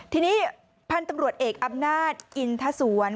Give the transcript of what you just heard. ทีนี้พันธุ์ตำรวจเอกอำนาจอินทสวน